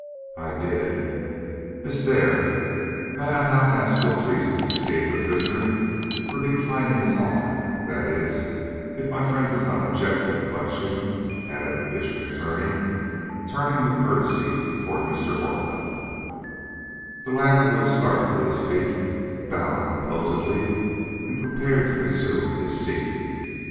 "I did." "Miss Dare, may I now ask what reasons you gave the prisoner for declining his offer that is, if my friend does not object to the question?" added the District Attorney, turning with courtesy toward Mr. Orcutt. The latter, who had started to his feet, bowed composedly and prepared to resume his seat.